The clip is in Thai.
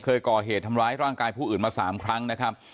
เคยก่อเหตุทำร้ายร่างกายผู้อื่นมา๓ครั้งนะครับ